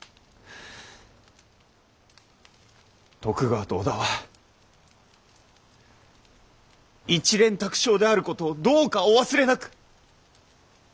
徳川と織田は一蓮托生であることをどうかお忘れなく！